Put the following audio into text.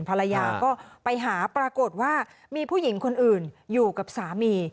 ภรรยาก็ไปหาปรากฏว่ามีผู้หญิงคนอื่นอยู่กับสามี